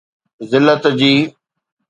ذلت جي ".